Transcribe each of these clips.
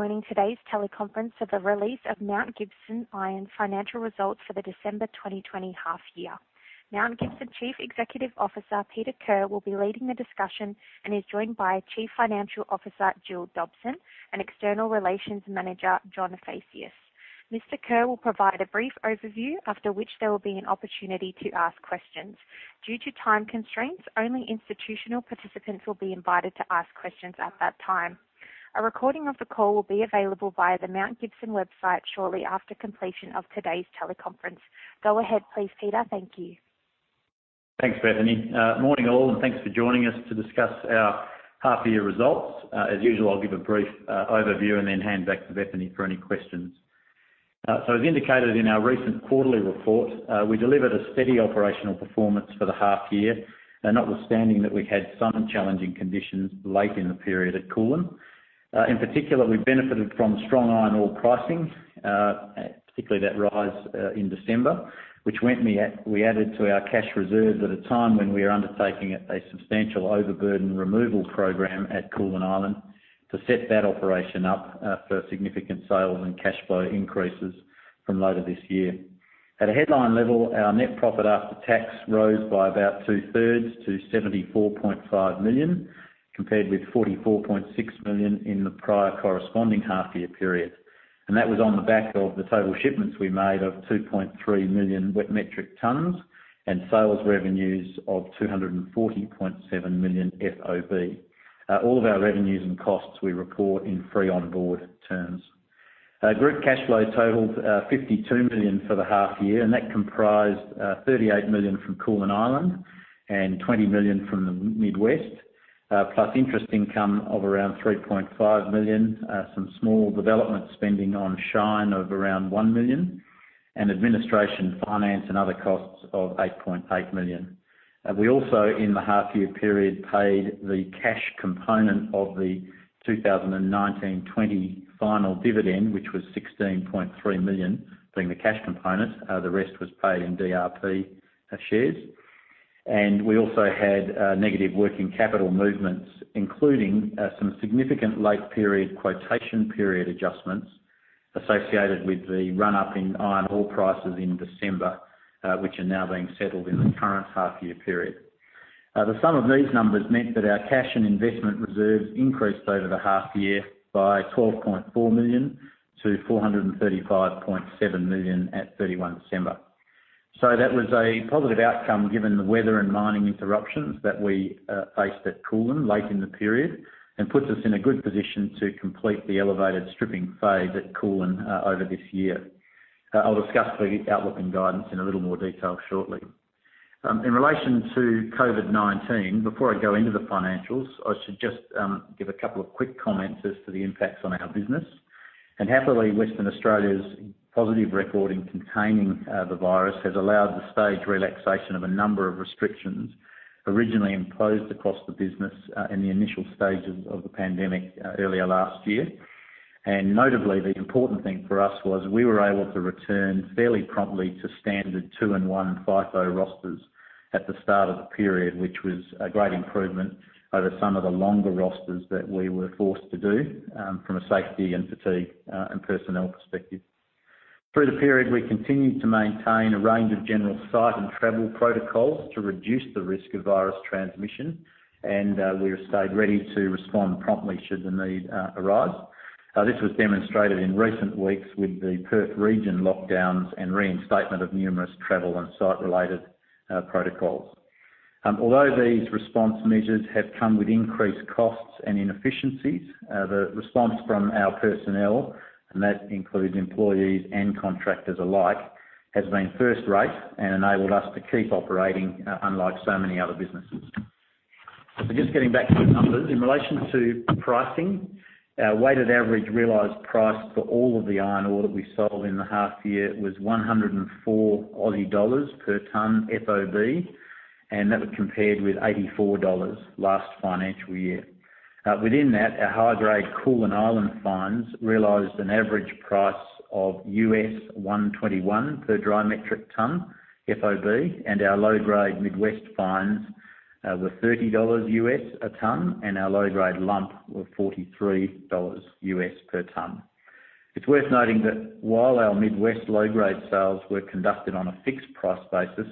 Thank you for joining today's teleconference for the release of Mount Gibson Iron financial results for the December 2020 half year. Mount Gibson Chief Executive Officer, Peter Kerr, will be leading the discussion and is joined by Chief Financial Officer, Jill Dobson, and External Relations Manager, John Phaceas. Mr. Kerr will provide a brief overview, after which there will be an opportunity to ask questions. Due to time constraints, only institutional participants will be invited to ask questions at that time. A recording of the call will be available via the Mount Gibson website shortly after completion of today's teleconference. Go ahead, please, Peter. Thank you. Thanks, Bethany. Morning, all, and thanks for joining us to discuss our half year results. As usual I'll give you both overview and then had over to Bethany for questions. As indicated in our recent quarterly report, we delivered a steady operational performance for the half year, notwithstanding that we had some challenging conditions late in the period at Koolan. In particular, we benefited from strong iron ore pricing, particularly that rise in December, which we added to our cash reserves at a time when we are undertaking a substantial overburden removal program at Koolan Island to set that operation up for significant sales and cash flow increases from later this year. At a headline level, our net profit after tax rose by about 2/3 to 74.5 million, compared with 44.6 million in the prior corresponding half year period. That was on the back of the total shipments we made of 2.3 million wet metric tons and sales revenues of 240.7 million FOB. All of our revenues and costs we report in free on board terms. Group cash flow totaled 52 million for the half year. That comprised 38 million from Koolan Island and 20 million from the Mid West, plus interest income of around 3.5 million, some small development spending on Shine of around 1 million, and administration, finance, and other costs of 8.8 million. We also, in the half year period, paid the cash component of the 2019/2020 final dividend, which was 16.3 million, being the cash component. The rest was paid in DRP shares. We also had negative working capital movements, including some significant late period quotation period adjustments associated with the run-up in iron ore prices in December, which are now being settled in the current half year period. The sum of these numbers meant that our cash and investment reserves increased over the half year by 12.4 million to 435.7 million at 31 December. That was a positive outcome given the weather and mining interruptions that we faced at Koolan late in the period and puts us in a good position to complete the elevated stripping phase at Koolan over this year. I'll discuss the outlook and guidance in a little more detail shortly. In relation to COVID-19, before I go into the financials, I should just give a couple of quick comments as to the impacts on our business. Happily, Western Australia's positive record in containing the virus has allowed the stage relaxation of a number of restrictions originally imposed across the business in the initial stages of the pandemic earlier last year. Notably, the important thing for us was we were able to return fairly promptly to standard one and two FIFO rosters at the start of the period, which was a great improvement over some of the longer rosters that we were forced to do from a safety and fatigue and personnel perspective. Through the period, we continued to maintain a range of general site and travel protocols to reduce the risk of virus transmission, and we stayed ready to respond promptly should the need arise. This was demonstrated in recent weeks with the Perth region lockdowns and reinstatement of numerous travel and site-related protocols. Although these response measures have come with increased costs and inefficiencies, the response from our personnel, and that includes employees and contractors alike, has been first rate and enabled us to keep operating unlike so many other businesses. Just getting back to the numbers. In relation to pricing, our weighted average realized price for all of the iron ore that we sold in the half year was 104 Aussie dollars per ton FOB, and that compared with 84 dollars last financial year. Within that, our high-grade Koolan Island fines realized an average price of $121 per dry metric ton FOB, and our low-grade Midwest fines were $30 a ton, and our low-grade lump were $43 per ton. It's worth noting that while our Midwest low-grade sales were conducted on a fixed price basis,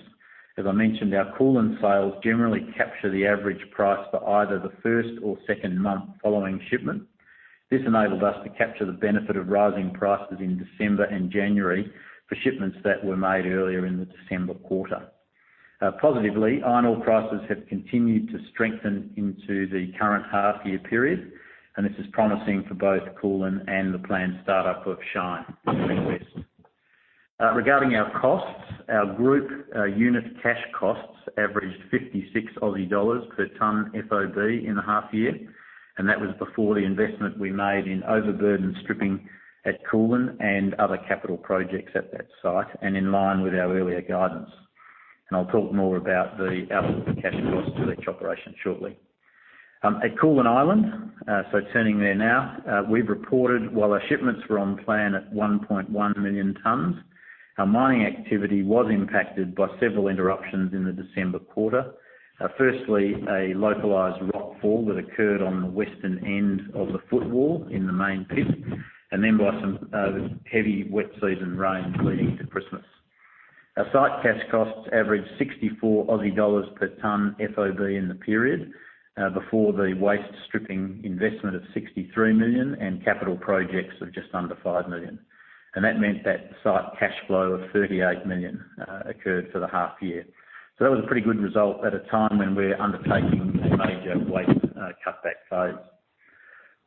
as I mentioned, our Koolan sales generally capture the average price for either the first or second month following shipment. This enabled us to capture the benefit of rising prices in December and January for shipments that were made earlier in the December quarter. Positively, iron ore prices have continued to strengthen into the current half year period. This is promising for both Koolan and the planned startup of Shine in the Midwest. Regarding our costs, our group unit cash costs averaged 56 Aussie dollars per ton FOB in the half year. That was before the investment we made in overburden stripping at Koolan and other capital projects at that site and in line with our earlier guidance. I'll talk more about the outlook for cash costs to each operation shortly. At Koolan Island, turning there now, we've reported while our shipments were on plan at 1.1 million tons, our mining activity was impacted by several interruptions in the December quarter. Firstly, a localized rock fall that occurred on the western end of the footwall in the main pit, then by some heavy wet season rain leading to Christmas. Our site cash costs averaged 64 Aussie dollars per ton FOB in the period, before the waste stripping investment of 63 million and capital projects of just under 5 million. That meant that site cash flow of 38 million occurred for the half year. That was a pretty good result at a time when we're undertaking a major waste cutback phase.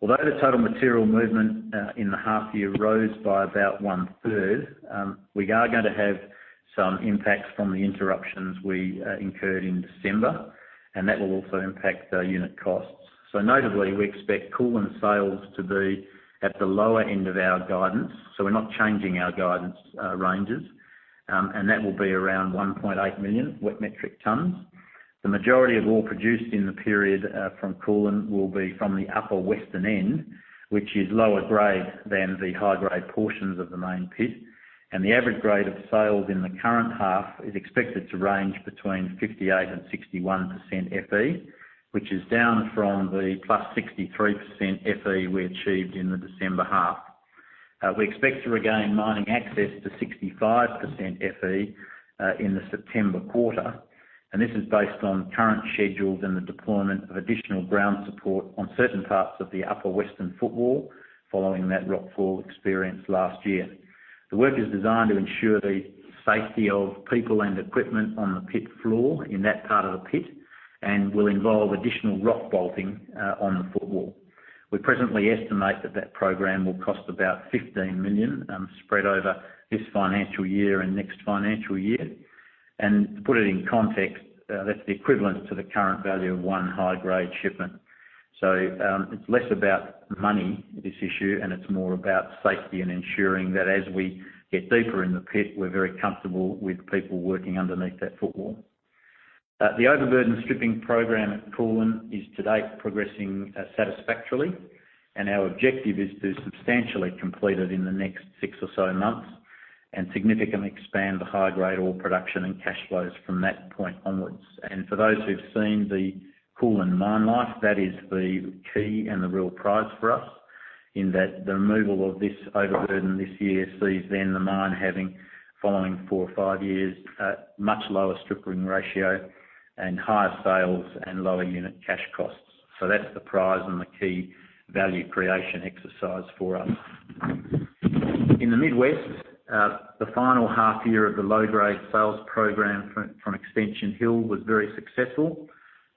Although the total material movement in the half year rose by about 1/3, we are going to have some impacts from the interruptions we incurred in December, and that will also impact our unit costs. Notably, we expect Koolan sales to be at the lower end of our guidance. We're not changing our guidance ranges. That will be around 1.8 million wet metric tons. The majority of ore produced in the period from Koolan will be from the upper western end, which is lower grade than the high grade portions of the main pit. The average grade of sales in the current half is expected to range between 58% and 61% Fe, which is down from the +63% Fe we achieved in the December half. We expect to regain mining access to 65% Fe in the September quarter. This is based on current schedules and the deployment of additional ground support on certain parts of the upper western footwall following that rockfall experienced last year. The work is designed to ensure the safety of people and equipment on the pit floor in that part of the pit and will involve additional rock bolting on the footwall. We presently estimate that program will cost about 15 million, spread over this financial year and next financial year. To put it in context, that's the equivalent to the current value of one high-grade shipment. It's less about money, this issue, and it's more about safety and ensuring that as we get deeper in the pit, we're very comfortable with people working underneath that footwall. The overburden stripping program at Koolan is to date progressing satisfactorily. Our objective is to substantially complete it in the next six or so months and significantly expand the high-grade ore production and cash flows from that point onwards. For those who've seen the Koolan mine life, that is the key and the real prize for us, in that the removal of this overburden this year sees then the mine having, the following four or five years, a much lower stripping ratio and higher sales and lower unit cash costs. That's the prize and the key value creation exercise for us. In the Mid West, the final half year of the low-grade sales program from Extension Hill was very successful.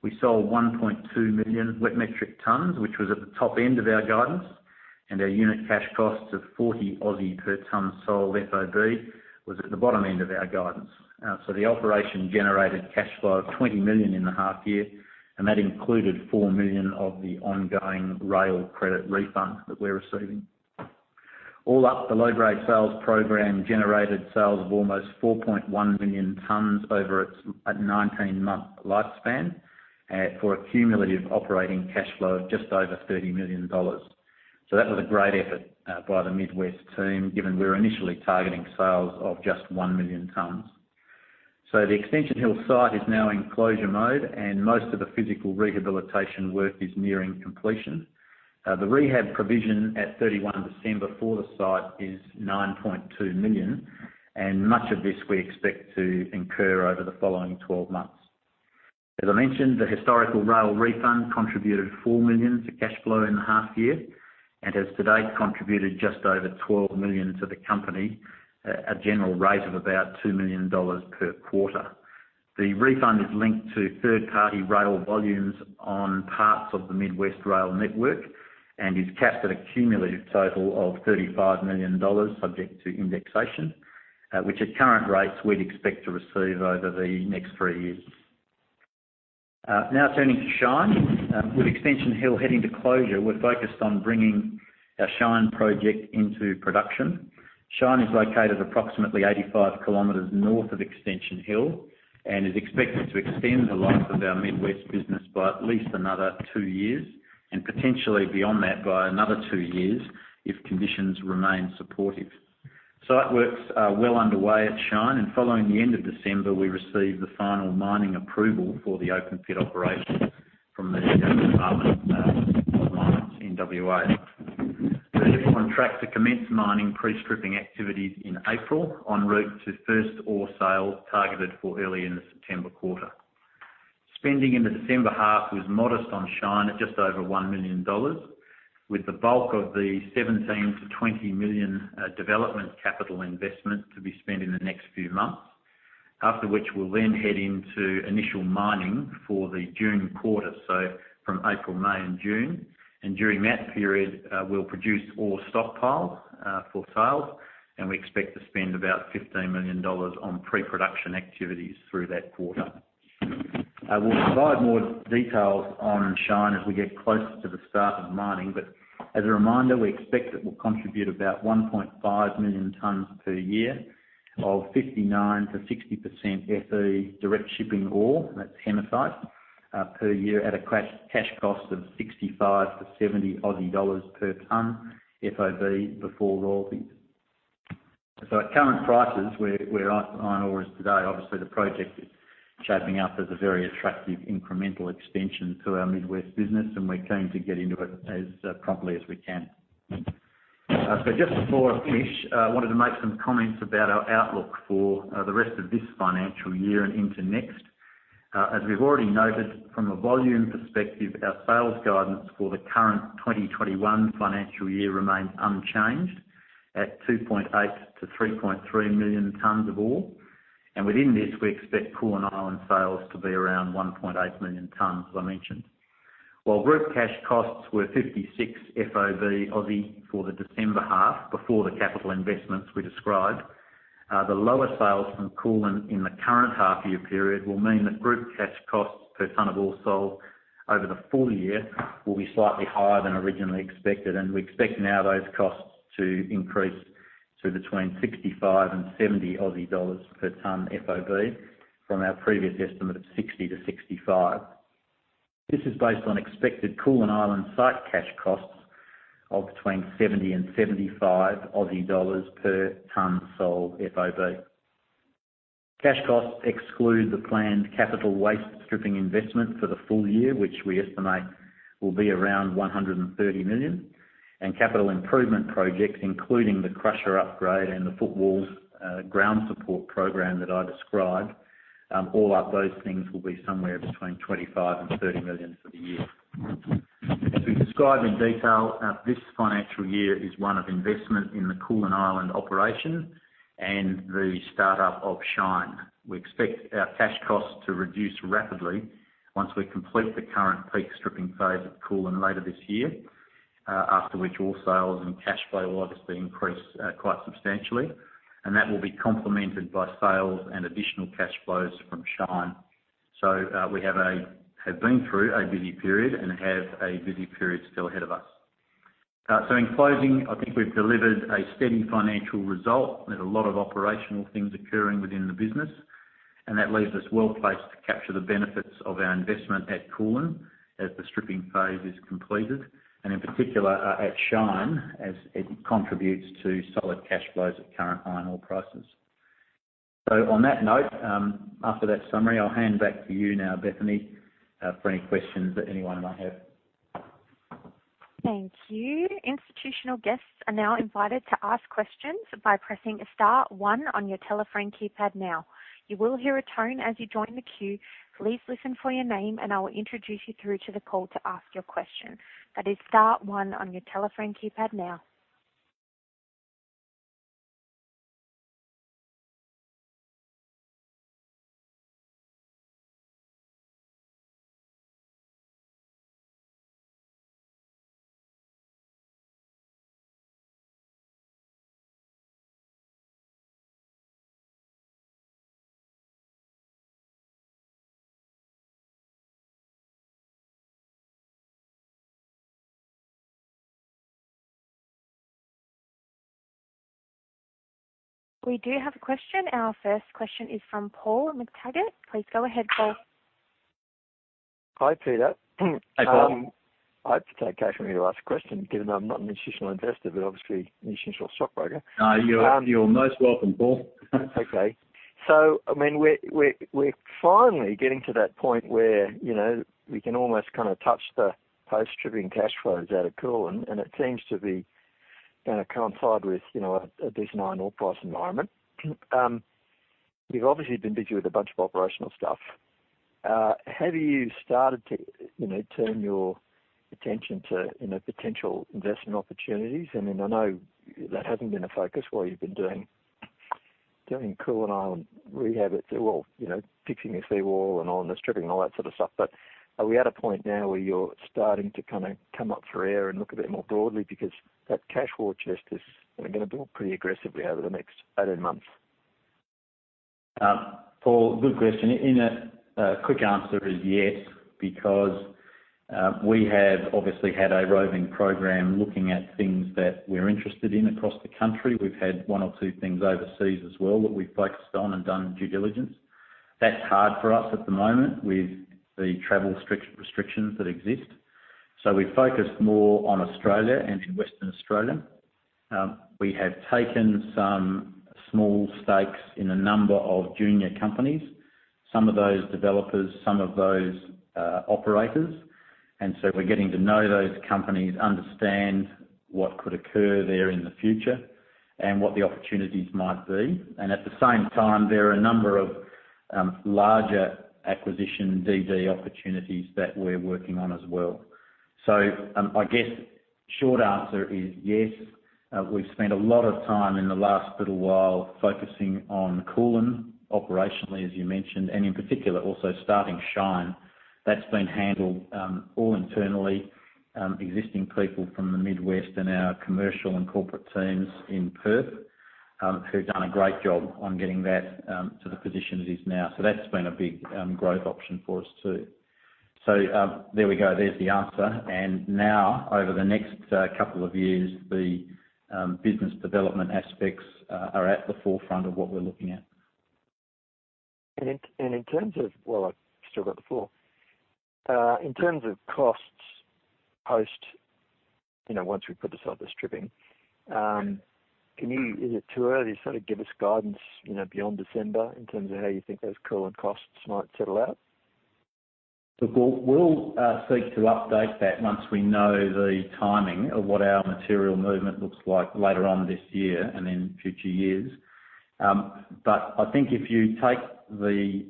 We sold 1.2 million wet metric tons, which was at the top end of our guidance, and our unit cash costs of 40 per ton sold FOB was at the bottom end of our guidance. The operation generated cash flow of 20 million in the half year, and that included 4 million of the ongoing rail credit refund that we're receiving. All up, the low-grade sales program generated sales of almost 4.1 million tons over its 19-month lifespan for a cumulative operating cash flow of just over 30 million dollars. That was a great effort by the Mid West team, given we were initially targeting sales of just 1 million tons. The Extension Hill site is now in closure mode, and most of the physical rehabilitation work is nearing completion. The rehab provision at 31 December for the site is 9.2 million, and much of this we expect to incur over the following 12 months. As I mentioned, the historical rail refund contributed 4 million to cash flow in the half year, and has to date contributed just over 12 million to the company at a general rate of about 2 million dollars per quarter. The refund is linked to third-party rail volumes on parts of the Mid West rail network and is capped at a cumulative total of 35 million dollars, subject to indexation, which at current rates we'd expect to receive over the next three years. Turning to Shine. With Extension Hill heading to closure, we're focused on bringing our Shine project into production. Shine is located approximately 85 km north of Extension Hill and is expected to extend the life of our Mid West business by at least another two years, and potentially beyond that by another two years if conditions remain supportive. Site works are well underway at Shine. Following the end of December, we received the final mining approval for the open pit operation from the Department of Mines W.A. We're on track to commence mining pre-stripping activities in April, en route to first ore sales targeted for early in the September quarter. Spending in the December half was modest on Shine at just over 1 million dollars, with the bulk of the 17 million-20 million development capital investment to be spent in the next few months. After which, we'll then head into initial mining for the June quarter, so from April, May and June. During that period, we'll produce ore stockpile for sale, and we expect to spend about 15 million dollars on pre-production activities through that quarter. We'll provide more details on Shine as we get closer to the start of mining, but as a reminder, we expect it will contribute about 1.5 million tons per year of 59%-60% Fe direct shipping ore, and that's hematite, per year at a cash cost of 65-70 Aussie dollars per ton FOB before royalties. At current prices, where iron ore is today, obviously the project is shaping up as a very attractive incremental extension to our Midwest business, and we're keen to get into it as promptly as we can. Just before I finish, I wanted to make some comments about our outlook for the rest of this financial year and into next. As we've already noted, from a volume perspective, our sales guidance for the current 2021 financial year remains unchanged at 2.8-3.3 million tons of ore. Within this, we expect Koolan Island sales to be around 1.8 million tons, as I mentioned. While group cash costs were 56 FOB for the December half, before the capital investments we described, the lower sales from Koolan in the current half-year period will mean that group cash costs per ton of ore sold over the full year will be slightly higher than originally expected. We expect now those costs to increase to between 65 and 70 Aussie dollars per ton FOB from our previous estimate of 60-65. This is based on expected Koolan Island site cash costs of between 70 and 75 Aussie dollars per ton sold FOB. Cash costs exclude the planned capital waste stripping investment for the full year, which we estimate will be around 130 million, and capital improvement projects, including the crusher upgrade and the footwall's ground support program that I described. All up, those things will be somewhere between 25 million and 30 million for the year. As we described in detail, this financial year is one of investment in the Koolan Island operation and the start-up of Shine. We expect our cash costs to reduce rapidly once we complete the current peak stripping phase at Koolan later this year, after which ore sales and cash flow ought to increase quite substantially, That will be complemented by sales and additional cash flows from Shine. We have been through a busy period and have a busy period still ahead of us. In closing, I think we've delivered a steady financial result. There's a lot of operational things occurring within the business, and that leaves us well-placed to capture the benefits of our investment at Koolan as the stripping phase is completed, and in particular at Shine, as it contributes to solid cash flows at current iron ore prices. On that note, after that summary, I'll hand back to you now, Bethany, for any questions that anyone might have. Thank you. Institutional guests are now invited to ask questions by pressing star one on your telephone keypad now. You will hear a tone as you join the queue. Please listen for your name, and I will introduce you through to the call to ask your question. That is star one on your telephone keypad now. We do have a question. Our first question is from Paul McTaggart. Please go ahead, Paul. Hi, Peter. Hey, Paul. I hope it's okay for me to ask a question, given I'm not an institutional investor, but obviously an institutional stockbroker. You're most welcome, Paul. Okay. We're finally getting to that point where we can almost touch the post-stripping cash flows out of Koolan, and it seems to be going to coincide with a decent iron ore price environment. You've obviously been busy with a bunch of operational stuff. Have you started to turn your attention to potential investment opportunities? I know that hasn't been a focus while you've been doing Koolan Island rehab, well, fixing the seawall and all the stripping and all that sort of stuff. Are we at a point now where you're starting to come up for air and look a bit more broadly because that cash war chest is going to build pretty aggressively over the next 18 months? Paul, good question. In a quick answer is yes, because we have obviously had a roving program looking at things that we're interested in across the country. We've had one or two things overseas as well that we've focused on and done due diligence. That's hard for us at the moment with the travel restrictions that exist. We've focused more on Australia and Western Australia. We have taken some small stakes in a number of junior companies, some of those developers, some of those operators. We're getting to know those companies, understand what could occur there in the future and what the opportunities might be. At the same time, there are a number of larger acquisition DD opportunities that we're working on as well. I guess short answer is yes. We've spent a lot of time in the last little while focusing on Koolan operationally, as you mentioned, and in particular, also starting Shine. That's been handled all internally, existing people from the Midwest and our commercial and corporate teams in Perth, who've done a great job on getting that to the position it is now. That's been a big growth option for us, too. There we go. There's the answer. Now, over the next couple of years, the business development aspects are at the forefront of what we're looking at. Well, I've still got the floor. In terms of costs, once we put aside the stripping, is it too early to sort of give us guidance beyond December in terms of how you think those Koolan costs might settle out? Look, we'll seek to update that once we know the timing of what our material movement looks like later on this year and in future years. I think if you take the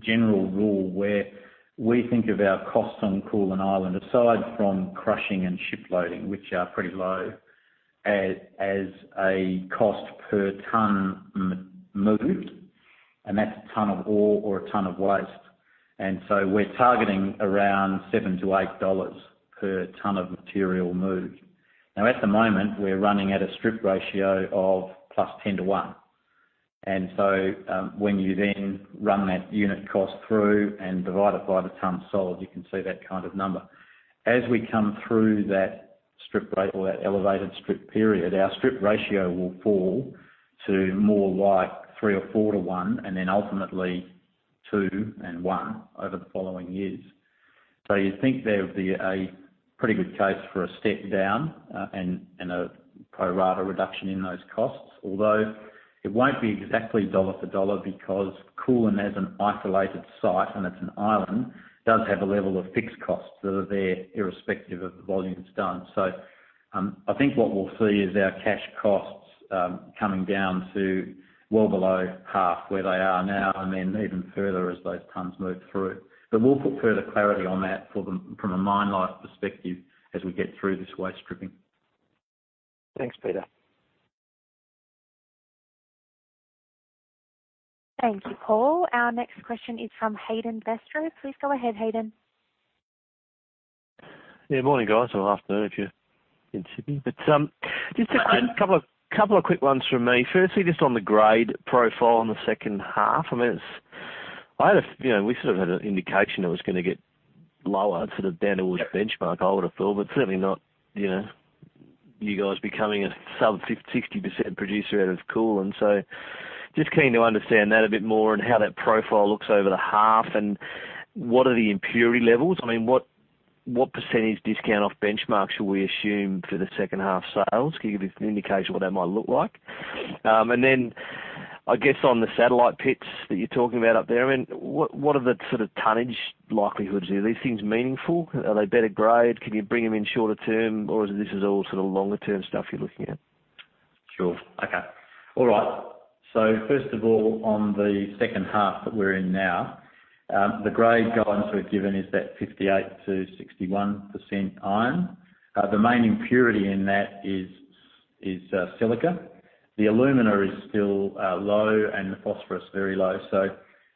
general rule where we think of our costs on Koolan Island, aside from crushing and ship loading, which are pretty low, as a cost per ton moved, and that's a ton of ore or a ton of waste. We're targeting around 7-8 dollars per ton of material moved. Now, at the moment, we're running at a strip ratio of +10-1. When you then run that unit cost through and divide it by the tons sold, you can see that kind of number. As we come through that strip rate or that elevated strip period, our strip ratio will fall to more like 3 or 4-1, and then ultimately two and one over the following years. You'd think there would be a pretty good case for a step down and a pro rata reduction in those costs. It won't be exactly dollar for dollar because Koolan as an isolated site, and it's an island, does have a level of fixed costs that are there irrespective of the volumes done. I think what we'll see is our cash costs coming down to well below half where they are now, and then even further as those tons move through. We'll put further clarity on that from a mine life perspective as we get through this waste stripping. Thanks, Peter. Thank you, Paul. Our next question is from Hayden Bairstow. Please go ahead, Hayden. Yeah, morning, guys, or afternoon if you're in Sydney. Just a couple of quick ones from me. Firstly, just on the grade profile on the second half, we sort of had an indication it was going to get lower down the Platts benchmark, I would have thought, but certainly not you guys becoming a sub 60% producer out of Koolan. Just keen to understand that a bit more and how that profile looks over the half, and what are the impurity levels? I mean, what percentage discount off benchmark should we assume for the second half sales? Can you give me an indication of what that might look like? I guess on the satellite pits that you're talking about up there, what are the sort of tonnage likelihoods? Are these things meaningful? Are they better grade? Can you bring them in shorter term, or is it this is all sort of longer term stuff you're looking at? Sure. Okay. All right. First of all, on the second half that we're in now, the grade guidance we've given is that 58%-61% iron. The main impurity in that is silica. The alumina is still low and the phosphorus very low.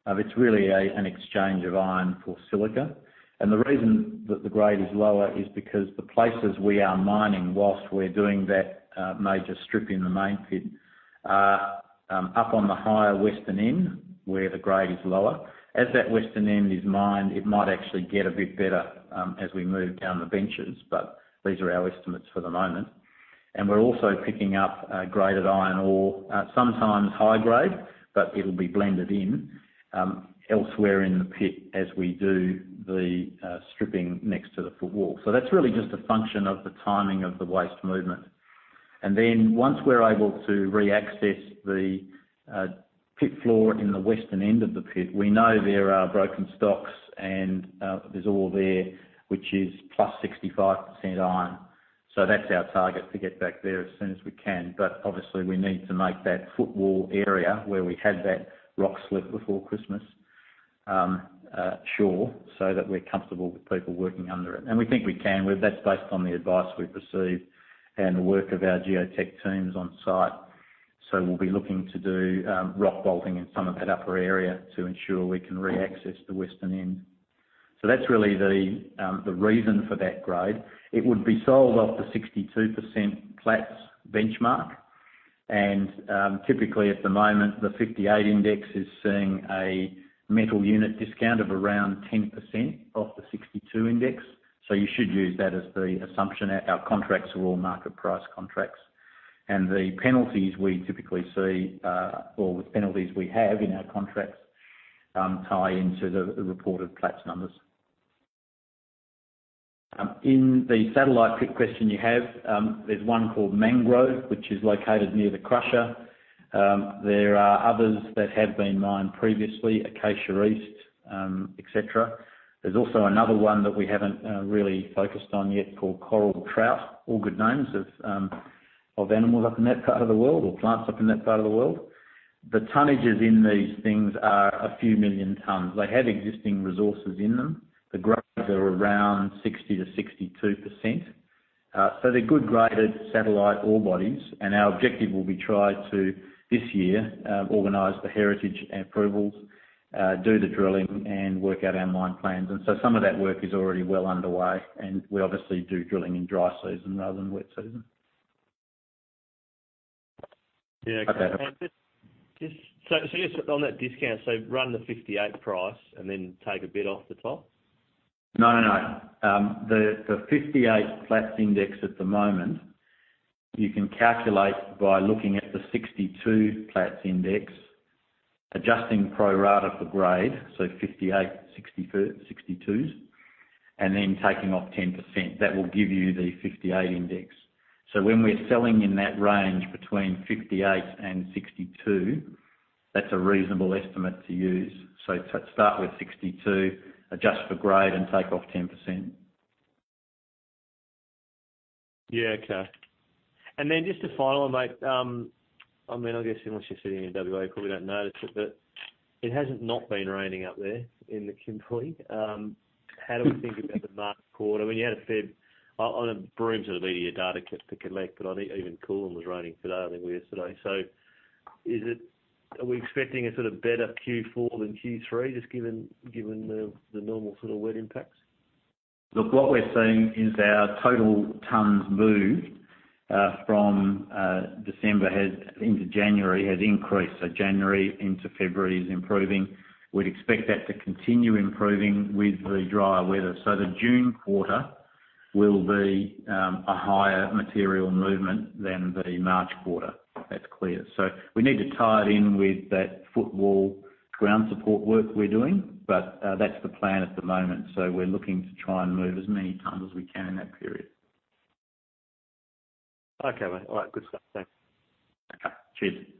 It's really an exchange of iron for silica. The reason that the grade is lower is because the places we are mining whilst we're doing that major strip in the main pit are up on the higher western end where the grade is lower. As that western end is mined, it might actually get a bit better as we move down the benches, but these are our estimates for the moment. We're also picking up graded iron ore, sometimes high grade, but it'll be blended in elsewhere in the pit as we do the stripping next to the footwall. That's really just a function of the timing of the waste movement. Once we're able to reaccess the pit floor in the western end of the pit, we know there are broken stocks and there's ore there, which is +65% iron. That's our target to get back there as soon as we can. Obviously we need to make that footwall area where we had that rock slip before Christmas sure, so that we're comfortable with people working under it. We think we can. That's based on the advice we've received and the work of our geotech teams on site. We'll be looking to do rock bolting in some of that upper area to ensure we can reaccess the western end. That's really the reason for that grade. It would be sold off the 62% Platts benchmark. Typically at the moment, the 58 index is seeing a metal unit discount of around 10% off the 62 index. You should use that as the assumption. Our contracts are all market price contracts. The penalties we typically see, or the penalties we have in our contracts, tie into the reported Platts numbers. In the satellite pit question you have, there's one called Mangrove, which is located near the crusher. There are others that have been mined previously, Acacia East, et cetera. There's also another one that we haven't really focused on yet called Coral Trout. All good names of animals up in that part of the world or plants up in that part of the world. The tonnages in these things are a few million tons. They have existing resources in them. The grades are around 60%-62%. They're good graded satellite ore bodies, and our objective will be try to, this year, organize the heritage approvals, do the drilling, and work out our mine plans. Some of that work is already well underway, and we obviously do drilling in dry season rather than wet season. Yeah, okay. Just so on that discount, so run the $58 price and then take a bit off the top? No, no. The 58 Platts index at the moment. You can calculate by looking at the 62 Platts index, adjusting pro rata for grade, so 58, 62s, and then taking off 10%. That will give you the 58 index. When we're selling in that range between 58 and 62, that's a reasonable estimate to use. Start with 62, adjust for grade, and take off 10%. Yeah. Okay. Just to follow on, mate. I guess unless you're sitting in W.A., you probably don't notice it, but it hasn't not been raining up there in the Kimberley. How do we think about the March quarter? I mean, you had on the Broome, it'll be your data kit to collect, but I think even Koolan was raining fairly yesterday. Are we expecting a sort of better Q4 than Q3, just given the normal sort of wet impacts? What we're seeing is our total tonnes moved from December into January has increased. January into February is improving. We'd expect that to continue improving with the drier weather. The June quarter will be a higher material movement than the March quarter. That's clear. We need to tie it in with that footwall ground support work we're doing. That's the plan at the moment. We're looking to try and move as many tonnes as we can in that period. Okay, mate. All right. Good stuff. Thanks.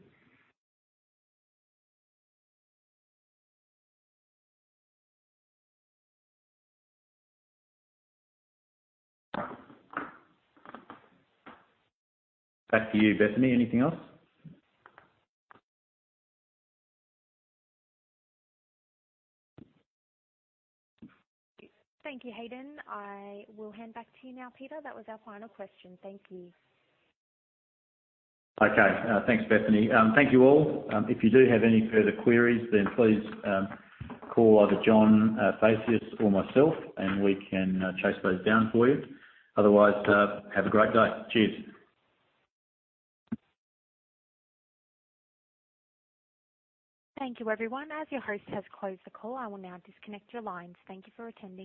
Okay. Cheers. Back to you, Bethany. Anything else? Thank you, Hayden. I will hand back to you now, Peter. That was our final question. Thank you. Okay. Thanks, Bethany. Thank you all. If you do have any further queries, then please call either John Phaceas or myself, and we can chase those down for you. Otherwise, have a great day. Cheers. Thank you, everyone. As your host has closed the call, I will now disconnect your lines. Thank you for attending.